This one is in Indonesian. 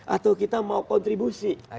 atau kita mau kontribusi